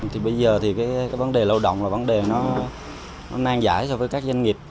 thì bây giờ thì cái vấn đề lao động là vấn đề nó nang giải so với các doanh nghiệp